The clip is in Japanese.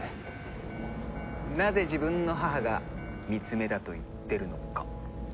なぜ自分の母がミツメだと言ってるのか。